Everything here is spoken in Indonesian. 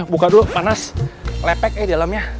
buka dulu panas lepek eh di dalamnya